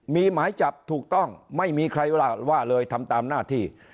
มีหมายจับถูกต้องไม่มีใครว่าเลยทำตามหน้าที่